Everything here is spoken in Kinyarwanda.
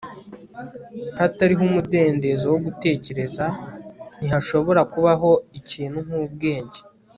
hatariho umudendezo wo gutekereza, ntihashobora kubaho ikintu nk'ubwenge